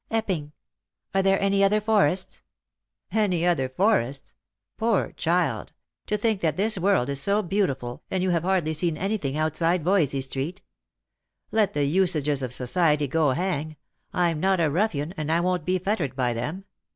" Epping. Are there any other forests ?"" Any other forests ! Poor child ! To think that this world is so beautiful, and you have hardly seen anything outside Host for Love. 97 Voysey street. Let the usages of society go hang ! I'm not a ruffian, and I won't be fettered by them.